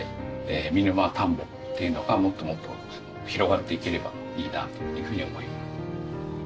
見沼たんぼっていうのがもっともっと広がっていければいいなというふうに思います。